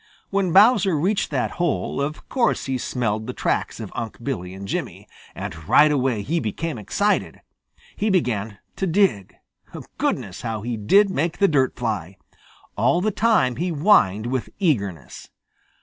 When Bowser reached that hole, of course he smelled the tracks of Unc' Billy and Jimmy, and right away he became excited. He began to dig. Goodness, how he did make the dirt fly! All the time he whined with eagerness.